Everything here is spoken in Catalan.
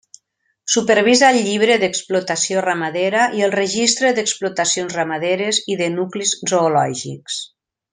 Supervisa el Llibre d'Explotació Ramadera i el Registre d'Explotacions Ramaderes i de Nuclis Zoològics.